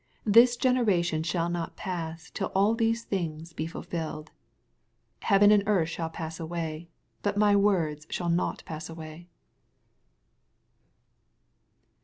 This gen eration shall not pass till all these things be fulfilled. 85 Heaven and earth shall pass away, but my words shall not pass away.